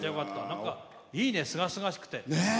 なんかいいね、すがすがしくて。